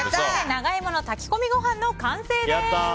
長イモの炊き込みご飯の完成です。